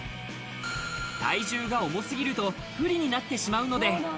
体重が重すぎると不利になってしまうので。